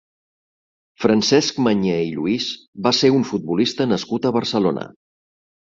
Francesc Mañé i Lluís va ser un futbolista nascut a Barcelona.